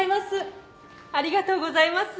ありがとうございます。